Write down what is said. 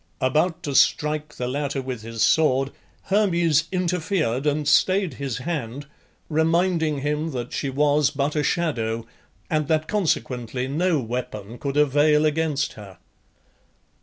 About to strike the latter with his sword, Hermes interfered and stayed his hand, reminding him that she was but a shadow, and that consequently no weapon could avail against her.